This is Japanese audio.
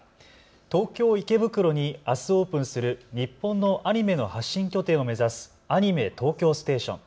東京池袋にあすオープンする日本のアニメの発信拠点を目指すアニメ東京ステーション。